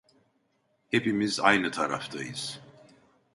Hepimiz aynı taraftayız.